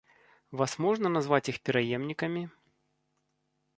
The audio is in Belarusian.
Вас можна назваць іх пераемнікамі?